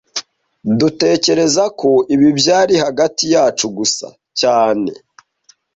Dutekereza ko ibi byari hagati yacu gusa cyane